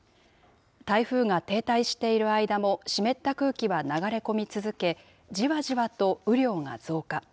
台風が停滞している間も湿った空気は流れ込み続け、じわじわと雨量が増加。